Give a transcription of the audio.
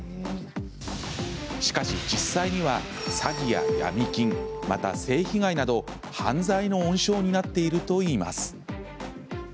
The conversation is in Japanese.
しかし実際には詐欺やヤミ金また、性被害など犯罪の温床になっているといいます。